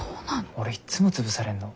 俺いっつも潰されんの。